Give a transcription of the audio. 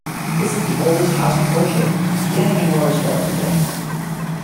This is the oldest house of worship standing in Rohrersville today.